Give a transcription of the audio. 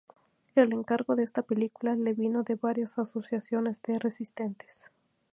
El encargo de esta película le vino de varias asociaciones de resistentes.